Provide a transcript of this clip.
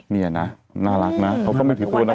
นี่นะน่ารักนะเขาก็ไม่ผิดตัวนะ